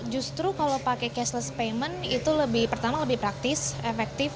justru kalau pakai cashless payment itu pertama lebih praktis efektif